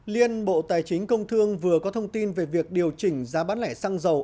liên bộ tài chính công thương vừa có thông tin về việc điều chỉnh giá bán lẻ xăng dầu